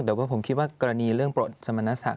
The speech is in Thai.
แต่ว่าผมคิดว่ากรณีเรื่องโปรดสมณศักดิ